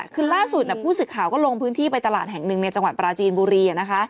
คือล่าสุดผู้สื่อข่าวก็ลงพื้นที่ไปตลาดแห่งหนึ่งในจังหวัดปราจีนบุรีนะคะ